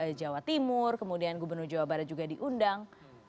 gubernur jawa timur kemudian gubernur jawa barat juga diundang